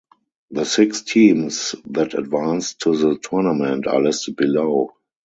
The six teams that advanced to the tournament are listed below.